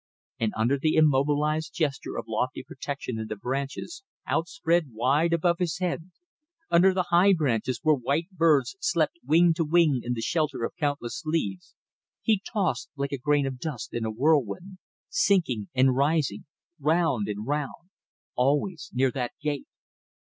And under the immobilized gesture of lofty protection in the branches outspread wide above his head, under the high branches where white birds slept wing to wing in the shelter of countless leaves, he tossed like a grain of dust in a whirlwind sinking and rising round and round always near that gate.